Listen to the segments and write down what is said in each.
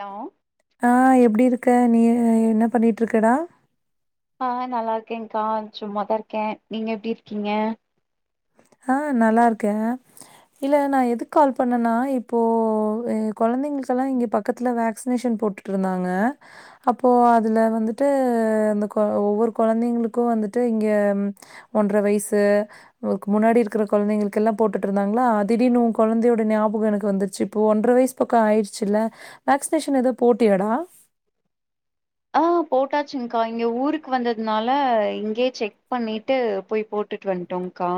Hello ஆ எப்டி இருக் இருக்க நீ என்ன பண்ணிட்ருக்க டா ஆ நல்லாருக்கேன்கா சும்மாதா இருக்கே நீங்க எப்டி இருக்கீங்க ஆ நல்லா இருக்கே இல்ல நா எதுக் கால் பண்ணன்னா இப்போ எ கொழந்தைங்களுக்கெல்லா இங்க பக்கத்துல வேக்சினேஷன் போட்டுட்டு இருந்தாங்க அப்போ அதுல வந்துட்டு அந்த ஒவ்வொரு குழந்தைங்ளுக்கு வந்துட்டு இங்க ஒன்ற வயசு ஒ க்கு முன்னாடி இருக்கற கொழந்தைங்களுக் எல்லா போட்டுட்டு இருந்தாங்களா திடீர்னு உ கொழந்தையோட ஞாபக எனக்கு வந்துருச்சு இப்போ ஒன்ற வயசு பக்கோ ஆயிடுச்சுல வேக்சினேஷன் ஏதா போட்டியாடா ஆ போட்டாச்சுங்கா இங்க ஊருக் வந்ததுனால இங்க செக் பண்ணிட்டு போய் போட்டுட் வந்டோங் கா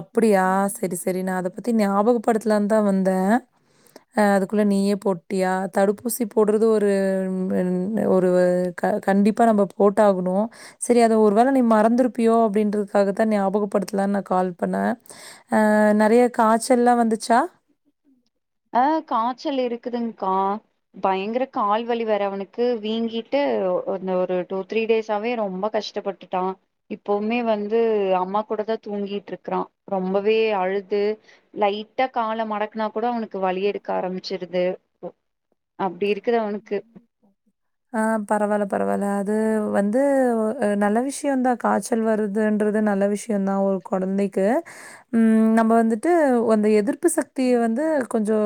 அப்டியா சரி சரி நா அத பத்தி ஞாபக படத்துலான் தா வந்த அதுக்குள்ள நீயே போட்டியா தடுப்பூசி போட்றது ஒரு ஒரு க கண்டிப்பா நம்ம போட்ட ஆகணு சரி அத ஒரு வேள நீ மறந்திருப்பியோ அப்டின்றதுக்காக த்த ஞாபகப்படுத்தலான் நா கால் பண்ண அ நெறைய காய்ச்சல்லா வந்துச்சா ஆ காய்ச்சல் இருக்குதுங்க்கா பயங்கர கால்வலி வேர அவனுக்கு வீங்கிட்டு அந்த ஒரு டூ த்ரீ டேஸாவே ரொம்ப கஷ்டப்பட்டுட்டா இப்பவுமே வந்து அம்மா கூட தா தூங்கிட்ருக்றா ரொம்பவே அழுது லைட்டா கால மடக்னா கூட அவனுக் க்கு வலி எடுக்க ஆரம்பிச்சிடுது இப்போ அப்டி இருக்கு அவனுக்கு ஆ பரவால்ல பரவால்ல அது வந்து நல்ல விஷயதா காச்சல் வருதுன்றது நல்ல விஷய தா ஒரு கொழந்தைக்கு ம்ம் நம்ப வந்துட்டு அந்த எதிர்ப்பு சக்திய வந்து கொஞ்சோ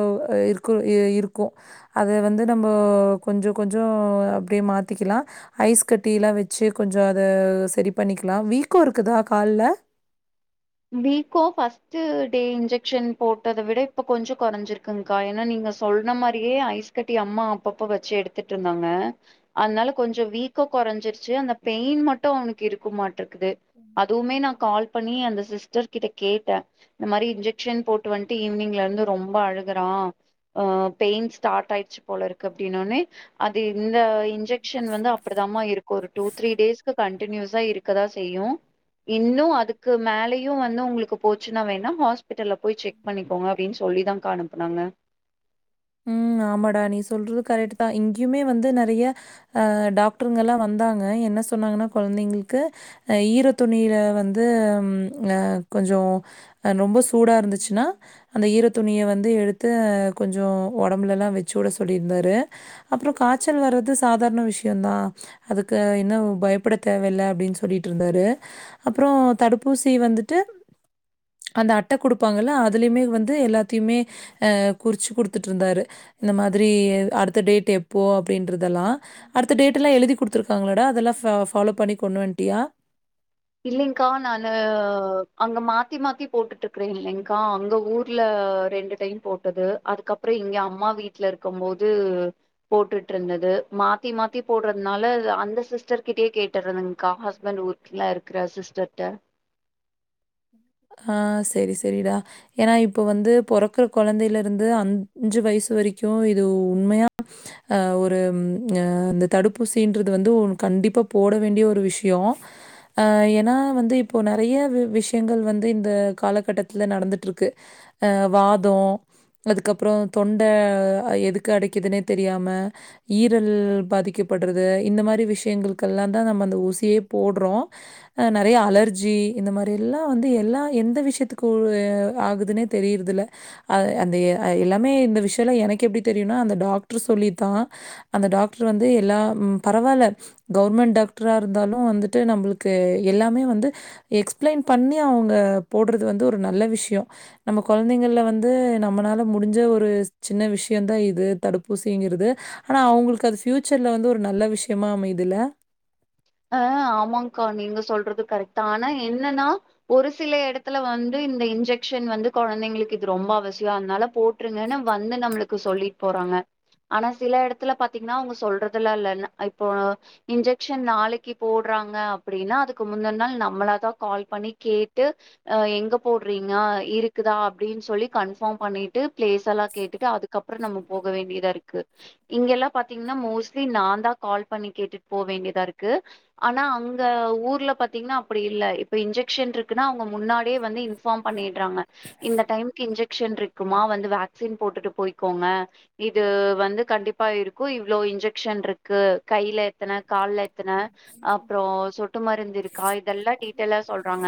இருக்கு இருக்கு அது வந்து நம்ப கொஞ்சோ கொஞ்சோ அப்டியே மாத்திக்கலா ஐஸ் கட்டிலா வச்சு கொஞ்சோ அத சரி பண்ணிக்கலா வீக்கோ இருக்கு தா கால்ல வீக்கோ ஃபஸ்ட் டே இன்ஜெக்ஷன் போட்டத விட இப்ப கொஞ்சோ குறைஞ்சிருக்குங்க்கா ஏனா நீங்க தொல்ன்ன மாரியே ஐஸ் ஐஸ் கட்டி அம்மா அப்பப்ப வச்சு எடுத்துட்ருந்தாங்க அதனால கொஞ்சோ வீக்க குறைஞ்சிருச்சு அந்த பெயின் மட்டு அவனுக்கு இருக்கு மாட்டு க்குது அதுவுமே நா கால் பண்ணி அந்த சிஸ்டர் கிட்ட கேட்ட இந்த மாரி இன்ஜெக்க்ஷன் போட்டு வன்ட்டு ஈவினிங்ல இருந்து ரொம்ப அழுகுறா பெயின் ஸ்டார்ட் ஆயிடுச்சு போலருக்கு அப்படின்னோனெ அது இந்த இன்ஜெக்க்ஷன் வந்து அப்டிதாமா இருக்கு ஒரு டூ த்ரீ டேஸ்கு கண்ட்னியூயஸா இருக்கதா செய்யு இன்னு அதுக்கு மேலை இவ வன்னு உங்ளுக்கு போச்சுன்னா வேணா ஹாஸ்ப் ஹாஸ்பிட்டல்ல போய் செக் பண்ணிக்கோங்க அப்படின் சொல்லி தா கா அனுப்னாங்க ம் ஆமாடா நீ சொல்றது கரெக்ட் தா இங்கேயுமே வந்து நிறைய ஆஹ் டாக்டர்ங்லா வந்தாங்க என்ன சொன்னாங்கன்னா குழந்தைங்களுக்கு ஈர துணியில வந்து அஹ கொஞ்சோ ரொம்ப சூடா இருந்துசுன்னா அந்த ஈர துணிய வந்து எடுத்து கொஞ்சோ ஒடம்புல எல்லா வச்சு உட சொல்லி இருந்தாரு அப்றோ காச்சல் வர்றது சாதாரண விஷய தா அதுக்கு இன்ன பயப்பட தேவயில்ல அப்படின் சொல்லிட்ருந்தாரு அப்றோ தடுப்பூசி வந்துட்டு அந்த அட்ட குடுப்பாங்கல்ல அதுலயுமே வந்து எல்லாத்தையுமே அ குறிச்சு குடுத் டிருந்தாரு இந்த மாதிரி அடுத்த டேட் எப்போ அப்படின்றதெலாம் அடுத்த டேட்லாம் எழுதி குடுத்துருக்காங்களாடா அதெலாம் ஃபாலோ பண்ணி கொண்வன்ட்டியா இல்லைங்க்கா நா அங்க மாத்தி மாத்தி போட்டுட்டுருக்கே இல்லைங்க்கா அங்க ஊர்ல ரெண்டு டைம் போட்டது அதுக்கப்றோ இங்க அம்மா வீட்ல இருக்கு போது போட்டுட்ருந்தது மாத்தி மாத்தி போடுறதுனால அந்த சிஸ்டர் கிட்டயே கேட்டுறதுங்க்கா ஹஸ்பண்ட் ஊருக்குள்ள இருக்கற சிஸ்டர்ட ஆஹ் சரி சரிடா ஏனா இப்ப வந்து பொறக்ற குழந்தைலருந்து அஞ்சு வயசு வரைக்கு இது உண்மையா அ ஒரு அ தடுப்பூசின்றது வந்து கண்டிப்பா போட வேண்டிய ஒரு விஷய ஆ ஏனா வந்து இப்போ நிறைய விஷய எங்கள் வந்து இந்த காலகட்டத்துல நடந்துட்ருக்கு வாதம் அதுக்கப்றம் தொண்ட எதுக்கு அடைக்குதுனே தெரியாம ஈரல் பாதிக்கப்படுறது இந்த மாரி விஷயங்கள் கெல்லாம் தா நம்ம அந்த ஊசியே போடுறோ நறய அலர்ஜி இந்த மாரி எல்லா வந்து எல்லா எந்த விஷயத்துக்கு ஆகுதுனே தெரியிறதில்ல அ அந்த எ எல்லாமே இந்த விஷ்யல எனக்கு எப்படி தெரியுனா அந்த டாக்ட்ரு சொல்லித்தா அந்த டாக்ட்ரு வந்து எல்லா ம் பரவால்ல கவர்மெண்ட் டாக்ட்ரா இருந்தாலு வந்துட்டு நம்மளுக்கு எல்லாமே வந்து எக்ஸ் எக்ஸ்பிளைன் பண்ணி அவுங்க போடுறது வந்து ஒரு நல்ல விஷயம் நம்ம கொழந்தைங்கள வந்து நம்மளால முடிஞ்ச ஒரு சின்ன விஷயோந்தா இது தடுப்பூசிங்கிறது ஆனா அவுங்களுக்கு அது ஃபயூச்சர்ல வந்து ஒரு நல்ல விஷயமா அமையுதுல உ ஆமாங்க்கா நீங்க சொல்றது கரெக்தா ஆனா என்னனா ஒரு சில எடத்துல வந்து இந்த இன்ஜெக்ஷன் வந்து கொழந்தைங்களுக்கு இது ரொம்ப அவசியோ அதனால போட்டுருங்கன்னு வந்து நம்ளுக்கு சொல்லிட்டு போறாங்க ஆனா சில எடத்துல பாத்தீங்கன்னா அவுங்க சொல்றதெல்லா இல்ல இப்போ இன்ஜெக்ஷன் நாளை க்கி போடுறாங்க அப்டின்னா அதுக்கு முந்த நாள் நம்மளாதா கால் பண்ணி கேட்டு அ எங்க போடுறீங்க இருக்குதா அப்டின்னு சொல்லி கன்ஃபார்ம் பண்ணிட்டு பிளேஸ் எல்லா கேட்டுட்டு அதுக்கப்பறோ நம்ம போக வேண்டியதா இருக்கு இங்க எல்லா பாத்தீங்கன்னா மோஸ்ட்லி நான்தா கால் பண்ணி கேட்டு போ வேண்டியதா இருக்கு க்கு ஆனா அங்க ஊர்ல பாத்தீங்கன்னா அப்டி இல்ல இப்ப இன்ஜெக்ஷன் இருக்குன்னா அவுங்க முன்னாடியே வந்து இன்பார்ம் பண்ணீர்ராங்க இந்த டைம்க்கு இன்ஜெக்ஷன் இருக்குமா வந்து வேக்சின் போட்டுட்டு போய்க்கோங்க இது வந்து கண்டிப்பா இருக்கு இவ்ளோ இன்ஜெக்ஷன் இருக்கு கைல இத்தன கால்ல இத் எத்துன அப்றோ சொட்டு மருந்து இருக் காய் எல்லாம் டீட்டொல சொல்றாங்க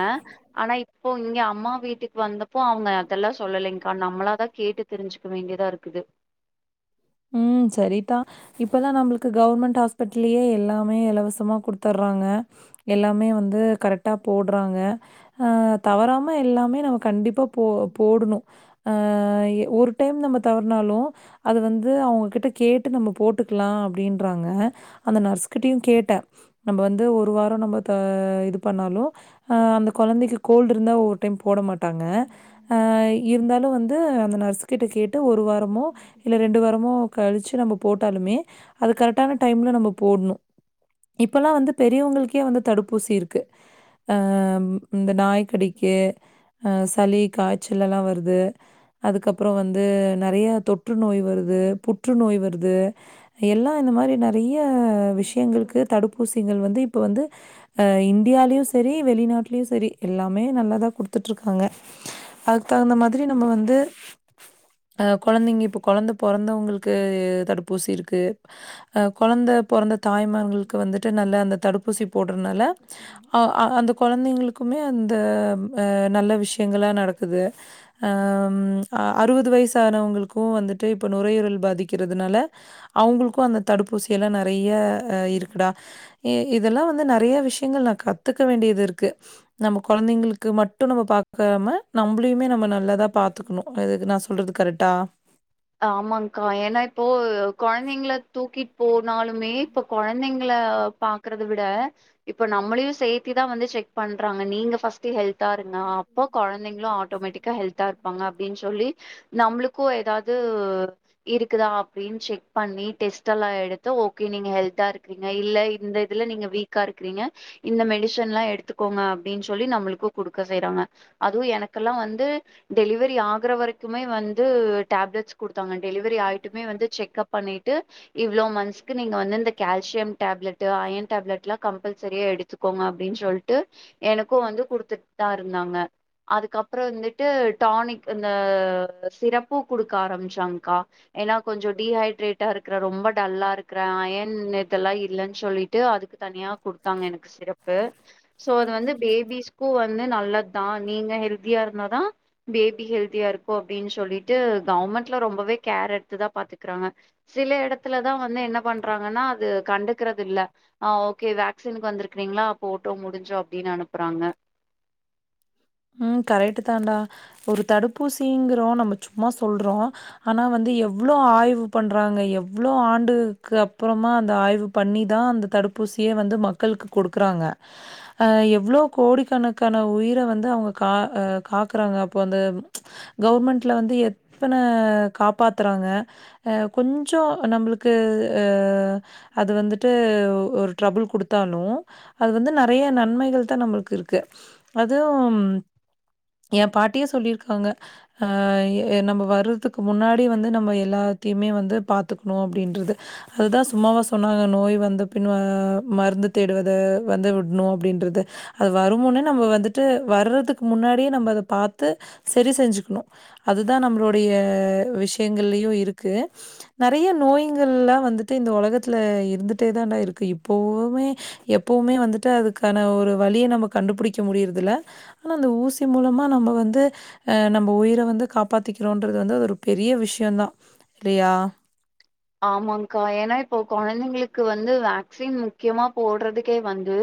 ஆனா இப்போ இங்க அம்மா வீட்டுக்கு வந்த இப்போ அவுங்க அதெல்லா சொல்லலைங்க்கா நம்மளாதா கேட்டு தெரிஞ்சுக்க வேண்டியதா இருக்குது இப்பதா நம்புளுக்கு கவர்மெண்ட் ஹாஸ்பிட்டலயே எல்லாமே எலவசமா குட்த்தறாங்க எல்லாமே வந்து கரெக்டாக போடுறாங்க தவறாம எல்லாமே நம்ம கண்டிப்பா போ போடணும் அ ஒரு டைம் நம்ம தவறனாலு அது வந்து அவங்ககிட்ட கேட்டு நம்ம போட்டுக்கலா அப்டின்றாங்க அந்த நர்ஸ்கிட்டயும் கேட்டேன் நம்ம வந்து ஒரு வாரம் நம்ம க இது பண்ணாலு அ அந்த கொழந்தைக்கி கோல்டு இருந்தா ஒரு டைம் போட மாட்டாங்க அ இருந்தாலு வந்து அந்த நர்ஸ் கிட்ட கேட்டு ஒரு வாரமோ இல்ல ரெண்டு வாரமோ கழிச்சு நம்ம போட்டாலுமே அது கரெக்டான டைம்ல நம்ம போடணும் இப்பல்லா வந்து பெரியவங்களுக்கே வந்து தடுப்பூசி இருக்கு அ இந்த நாய்கடிக்கு அ சளி காய்ச்சல் எல்லா வருது அதுக்கப்பறோ வந்து நெறையா தொற்று நோய் வருது புற்றுநோய் வருது எல்லா இந்த மாரி நெறைய விஷயங்களுக்கு தடுப்பூசிகள் வந்து இப்ப வந்து அ இந்தியாலயு சரி வெளிநாட்டுலயும் சரி எல்லாமே நல்லாதா குடுத்துட்டுருக்காங்க அதுக்கு தகுந்த மாதிரி நம்ம வந்து அ கொழந்தைங்க இப்ப கொழந்த பொறந்தவுங்களுக்கு தடுப்பூசி இருக்கு அஹ் குழந்த பிறந்த தாய்மார்களுக்கு வந்துட்டு நல்ல அந்த தடுப்பூசி போடுறதுனால அ அந்த கொழந்தைங்களுக்குமே அந்த அ நல்ல விஷய விஷயங்கள நடக்குது அ ம் அறுவது வயசுானவங்களுக்கும் வந்துட்டு இப்ப நுரையூரல் பாதிக்கிறதுனால அவுங்களுக்கும் அந்த தடுப்பூசி எல்லா நெறையா இருக்குடா இதெல்லா வந்து நெறையா விஷயங்கள் நா கத்துக்க வேண்டியது இருக்கு நம்ம கெழந்தைங்களுக்கு மட்டும் நம்ம பாக் பாம நம்மளுமே நம்ம நல்லாதா பாத்துக்கணு அதுக்கு நா சொல்றது கரெக்டா ங்கள தூக்கிட்டு போ நாலுமே இப்ப கொழந் பிள்ளைங்கள பாக்குறது விட இப்ப நம்மளையு சேத்துதா வந்து செக் பண்றாங்க நீங்க ஃபர்ஸ்ட் ஹெல்த் தாருங்க அப்போ கொழந்தைங்களு ஆட் டொமெட்டிக்கா ஹெல்தா இருப்பாங்க அப்டின்னு சொல்லி நம்மளுக்கும் எதாது இது ஓர் இருக்குதா அப்படின்னு செக் பண்ணி டெஸ்ட் எல்லா எடுத்து ஓகே நீங்க ஹெல்தா இருக்கீங்க இல்ல இந்த இதுல நீங்க வீக்கா இருக்கீங்க இந்த மெடிசன்லா எடுத்துக்கோங்க அப்படின்னு சொல்லி நம்முளுக்கு குடுக்க செய்றாங்க அதுவு எனக்கெல்லா வந்து டெலிவரி ஆகுற வரைக்குமே வந்து டப்லட்ஸ் குடுத் தாங்க டெலிவரி ஆய்ட்டுமே வந்து செக்கப் பண்ணிட்டு இவ்ளோ மன்த்ஸ்க்கு நீங்க வந்து இந்த கேல்ஷியம் டேப்லெட்டு அயன் டேப்லெட்லா கம்பல்செரி எடுக் சுக்கோங்க அப்டின் சொல்ட்டு எனக்கூ வந்து குடுத்துட் தா இருந்தாங்க அதுக்கப்புறோ வந்துட்டு டானிக் இந்த சிரப் பூ குடுக்க ஆரம்பிச்சாங்க்கா ஏன்னா கொஞ்சோ டீஹைட்ரேட்டா இருக்கிற ரொம்ப டல்லா இருக்குறே அயன் இதல்லா இல்லன் சொல்லிட்டு அதுக்கு தனியா குடுத்தாங்க எனக்கு சிரப்பு சோ அது வந்து பேபிஸ்க்கு வந்து நல்லத் தா நீங்க ஹெல்தியா இருந்தா தா பேபி ஹெல்தியாருக்கு அப்டின் சொல்லி ட்டூ கவுர்மண்ட்ல ரொம்பவே கேர் எடுத்துதா பாத்துக்குறாங்க சில எடத்துலதா வந்து என்ன பண்றாங்கன்னா அது கண்டுக்குறது இல்ல ஆ ஓக்கே வேக்சின்க்கு வந்துருக்றீங்களா போட்டோ முடிஞ்சோ அப்டின்னு அனுப்புறாங்க உஹ்ம் கரெட்டு தாடா ஒரு தடுப்பூசிங்குறோ நம்ம சும்மா சொல்றோ ஆனா வந்து எவ்ளோ ஆய்வு பண்றாங்க எவ்ளோ ஆண்டுக்கு அப்புறமா அந்த ஆய்வு பண்ணிதா அந்த தடுப்பூசியே வந்து மக்கள்க்கு கொடுக்குறாங்க ஆ எவ்ளோ கோடிக்கணக்கான உயிர வந் ந்து அவுங்க கா ஆ காக்குறாங்க அப்போ அந்த கவுர்மண்ட்ல வந்து எத்தன காப்பாதுறாங்க கொஞ்சோ நம்ப்லுக்கு ஆ அது வந்துட்டு ஒரு ட்ரபுல் குடுத் தாலு அது வந்து நல் நெறய நன்மைகள் தா நம்ளுக்கு இருக்கு அது உம் எ பாட்டியே சொல்லிருக்காங்க ஆ எ நம்ப வர்றதுக்கு முன்னாடி வந்து நம்ப எல்லாதயுமே வந்து பாத்துக்ணு அப்டின்றது அதுதா சும்மாவா சொன்னாங்க நோய் வந்த பின் ஆ மருந்து தேடுவது வந்து விட்ணு அப்டின்றது அதூ வரும்முன்னே நம்ப வந்துட் ட்டு வர்றதுக்கு முன்னாடியே நம்ப அத பாத்து செரி செஞ்சுக்ணு அதுதா நம்ளுடைய விஷ்யங்கள்ளயு இருக்கு நெறய நோய்ங்கல்லா வந்துட்டு இந்த ஒலகத்துல இருந்துட்டே தான்டா இருக்கு இப்பவுமே எப்பவுமே வந்துட்டு அதுக்கான ஒரு வழிய நம்ப கண்டுபுடிக்க முடியற் இதுல ஆனா அந்த ஊசி மூலமா நம்ப வந்து அ நம்ப உயிர வந்து காப்பாத்திக்கிறோன்றது வந்து அது ஒரு பெரிய விஷ்யோந்தா ரியா ஆமாங்க்கா ஏன்னா இப்போ கொழந்தைங்க்ளுக்கு வந்து வேக்ஸின் முக்கியமா போட்றதுக்கே வந்து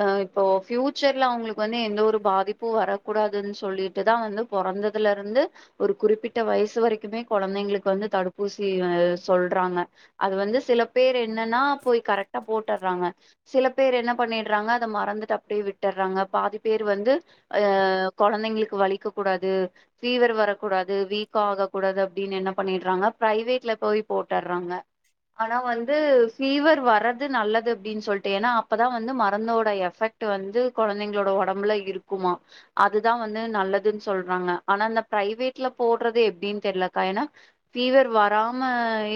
அ இப்போ ஃப்யூச்சர்ல அவுங்ளுக்கு வந்து எந்த ஒரு பாதிப்பு வரக்கூடாதுன் சொல்லிட்டுதா வந்து பொறந்ததுலருந்து ஒரு குறிப்பிட்ட வய்சு வரைக்குமே கொழந்தைங்ளுக்கு வந்து தடுப்பூசி ஆ சொல்றாங்க அது வந்து சில பேர் என்னன்னா போய் கரெக்டா போட்டுற்றாங்க சில பேர் என்ன பண்ணிடுறாங்க அத மறந்துட்டு அப்டியே விட்டுற்றாங்க பாதி பேர் வந்து ஆ கொழந்தைங்களுக்கு வலிக்கக் கூடாது ஃபீவர் வரக்கூடாது வீக்கொ ஆகக்கூடாது அப்டின் என்ன பண்ணிட்றாங்க ப்ரைவேட்ல போய் போட்டற்றாங்க ஆனா வந்து ஃபீவர் வர்றது நல்லது அப்டின்னு சொல்ட்டு ஏன்னா அப்பதா வந்து மரந்தோட எஃபெக்ட்டு வந்து கொழந்தைங்ளோட ஒடம்புல இருக்குமா அதுதா வந்து நல்லதுன் சொல்றாங்க ஆனா அந்த ப்ரைவேட்ல போடுறது எப்டின்னு தெர்லக்கா ஏன்னா ஃபீவர் வராம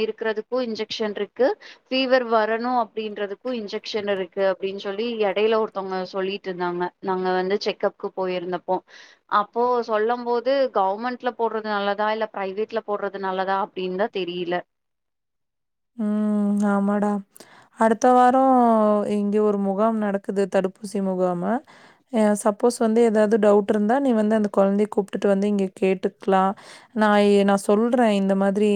இருக்கிறதுக்கு இன்ஜெக்க்ஷன் ருக்கு ஃபீவர் வரணு அப்டின்றதுக்கு இன்ஜெக்க்ஷன் இருக்கு அப்டின் சொல்லி எடையில ஒருத்தவங்க சொல்லிட்டுருந்தாங்க நாங்க வந்து செக்கப்க்கு போயிருந்தப்போ அப்போ சொல்லும் போது கவ்மெண்ட்ல போட்றது நல்லதா இல்ல ப்ரைவேட்ல போட்டுறது நல்லதா அப்டின் தா தெரியில உஹ்ம் ஆமாடா அடுத்த வாரோ இங்க ஒரு முகாம் நடக்குது தடுப்பூசி முகாமு எ சப்போஸ் வந்து ஏதாது டவுட்ருந்தா நீ வந்து அந்த கொழந்திய கூப்ட்டுட்டு வந்து இங்க கேட்டுக்லா நா ஏ நா சொல்றே இந்த மாதிரி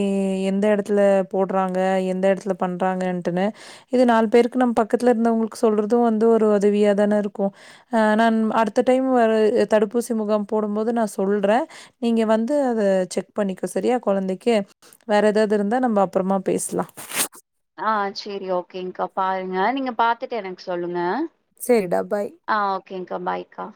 எந்த எடத்துல போட் பண்றாங்க எந்த எடத்துல பண்றாங்கன்டுனு இது நாலு பேருக்கு நம்ம பக்கத்துல இருந்தவங்களுக்கு சொல்றது வந்து ஒரு உதவியா தான இருக்கும் அ நான் அடுத்த டைம் வரு தடுப்பூசி முகாம் போடும் போது நா சொல்றன் நீங்க வந்து அத செக் பண்ணிக்க சரியா கொழந்தைக்கு வேற ஏதாவது இருந்தா நம்ம அப்ரோம பேசலாம். ஆஹ் சேரி ஓகேங்கக்கா பாருங்க நீங்க பாத்துட்டு எனக்கு சொல்லுங்க சரிடா பாய் ஆஹ் ஓகேங்கக்கா பாய்கா